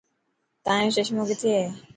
تايون چشمون ڪٿي هي.